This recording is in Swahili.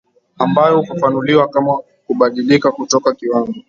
ambayo hufafanuliwa kama kubadilika kutoka kiwango